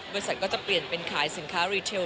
ก็จะเปลี่ยนเป็นขายสินค้ารีเทล